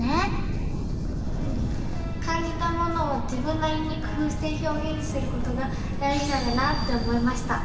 うん感じたものを自分なりに工ふうしてひょうげんすることが大じなんだなって思いました！